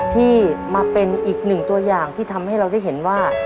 ที่มาเป็นอีกหนึ่งตัวอย่างที่ทำให้เราได้เห็นว่า